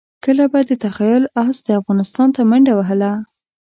کله به د تخیل اس افغانستان ته منډه ووهله.